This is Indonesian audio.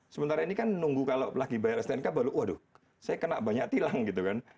sementara ini kan nunggu kalau lagi bayar stnk baru waduh saya kena banyak tilang gitu kan